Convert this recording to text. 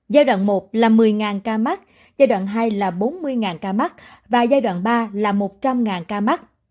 giai đoạn một là một mươi ca mắc giai đoạn hai là bốn mươi ca mắc và giai đoạn ba là một trăm linh ca mắc